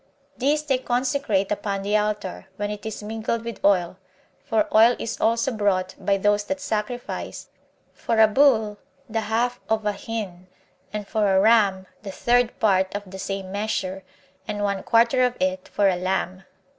This they consecrate upon the altar, when it is mingled with oil; for oil is also brought by those that sacrifice; for a bull the half of an hin, and for a ram the third part of the same measure, and one quarter of it for a lamb.